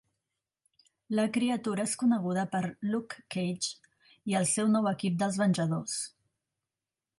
La criatura és coneguda per Luke Cage i el seu nou equip dels Venjadors.